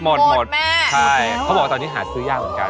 หมดหมดใช่เขาบอกว่าตอนนี้หาซื้อยากเหมือนกัน